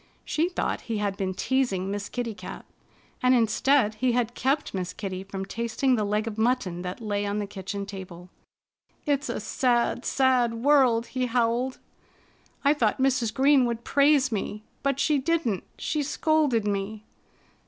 She thought he had been teasing Miss Kitty Cat. And instead he had kept Miss Kitty from tasting the leg of mutton that lay on the kitchen table. "It's a sad, sad world!" he howled. "I thought Mrs. Green would praise me. But she didn't. She scolded me!"